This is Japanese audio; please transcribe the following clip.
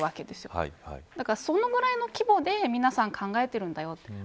ですから、そのくらいの規模で皆さん考えているんだよって。